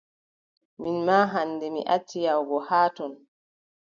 Min maa hannde mi acci yahugo haa ton.